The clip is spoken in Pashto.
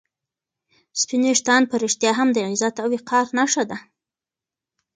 سپین ویښتان په رښتیا هم د عزت او وقار نښه ده.